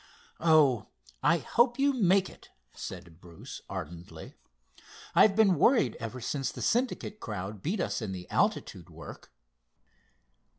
"Oh, I hope you make it!" said Bruce ardently. "I've been worried ever since the Syndicate crowd beat in the altitude work."